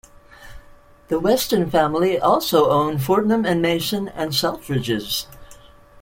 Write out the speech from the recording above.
The Weston family also own Fortnum and Mason and Selfridges.